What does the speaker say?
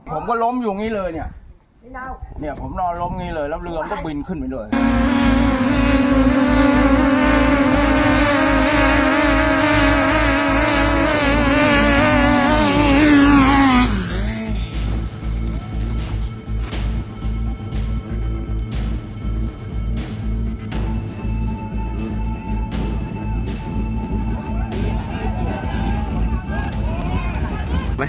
ผมก็ล้มอยู่อย่างนี้เลยเนี่ยผมนอนล้มอย่างนี้เลยแล้วเรือมันก็บินขึ้นไปเลย